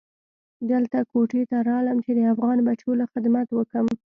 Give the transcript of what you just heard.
دلته کوټې ته رالم چې د افغان بچو له خدمت اوکم.